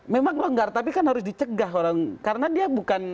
memang longgar tapi kan harus dicegah orang karena dia bukan